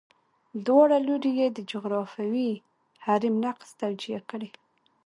دواړه لوري یې د جغرافیوي حریم نقض توجیه کړي.